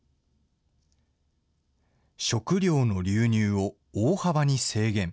食糧の流入を大幅に制限。